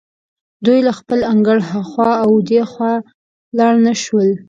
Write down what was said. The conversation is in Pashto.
دوی له خپل انګړه هخوا او دېخوا لاړ نه شول.